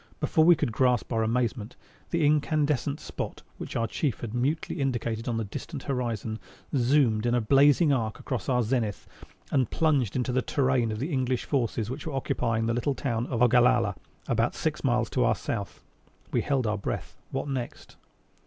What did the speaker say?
Before we could gasp our amazement, the incandescent spot which our Chief had mutely indicated on the distant horizon, zoomed in a blazing arc across our zenith and plunged into the terrain of the English forces which were occupying the little town of Ogallala about six miles to our south. We held our breath. What next?